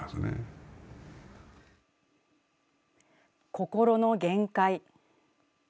心の限界。